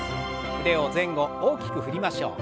腕を前後大きく振りましょう。